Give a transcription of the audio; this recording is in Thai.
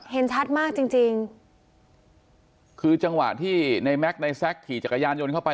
เห็นชัดมากจริงจริงคือจังหวะที่ในแม็กซ์ในแซคขี่จักรยานยนต์เข้าไป